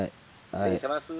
「失礼します」。